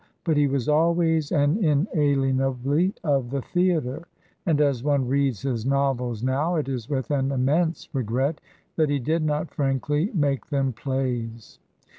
But he was always and inalien ably of the theatre, and as one reads his novels now it is with an immense regret that he did not frankly make them plays.